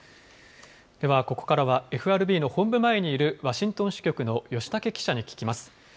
では、ここからはＦＲＢの本部前にいる、ワシントン支局の吉武記者に聞きます。